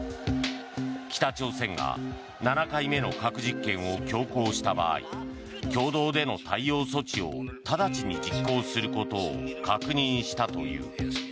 北朝鮮が７回目の核実験を強行した場合共同での対応措置を直ちに実行することを確認したという。